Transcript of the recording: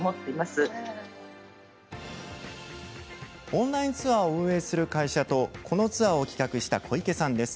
オンラインツアーを運営する会社と、このツアーを企画した小池さんです。